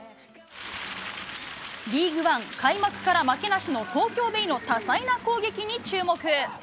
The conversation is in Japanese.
リーグワン、開幕から負けなしの東京ベイの多彩な攻撃に注目。